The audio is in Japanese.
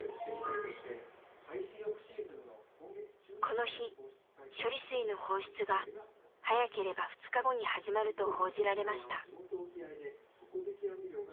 この日処理水の放出が早ければ２日後に始まると報じられました。